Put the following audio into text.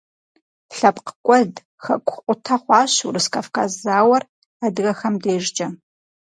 ЛъэпкъкӀуэд, хэкукъутэ хъуащ Урыс-Кавказ зауэр адыгэхэм дежкӀэ.